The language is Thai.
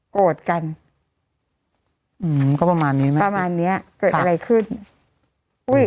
โกรธกันอืมก็ประมาณนี้ไหมประมาณเนี้ยเกิดอะไรขึ้นอุ้ย